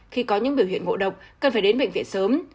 khi có những biểu hiện ngộ độc cần phải đến bệnh viện sớm